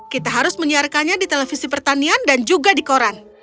kita harus menyiarkannya di televisi pertanian dan juga di koran